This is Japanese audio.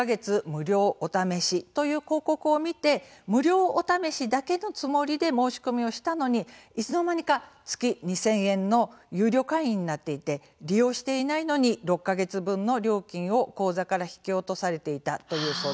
無料お試しという広告を見て無料お試しだけのつもりで申し込みをしたのにいつの間にか月２０００円の有料会員になっていて利用していないのに６か月分の料金を口座から引き落とされていたという相談。